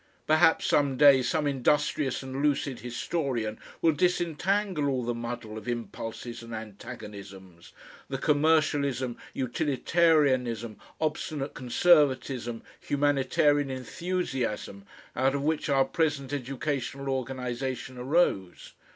Perhaps some day some industrious and lucid historian will disentangle all the muddle of impulses and antagonisms, the commercialism, utilitarianism, obstinate conservatism, humanitarian enthusiasm, out of which our present educational organisation arose.